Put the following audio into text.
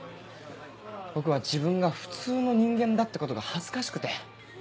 僕は自分が普通の人間だってことが恥ずかしくて。